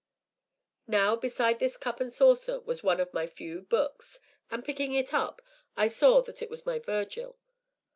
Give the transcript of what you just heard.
Now, beside this cup and saucer was one of my few books, and picking it up, I saw that it was my Virgil.